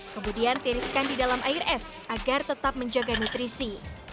kemudian tiriskan di dalam air es agar tetap menjaga nutrisi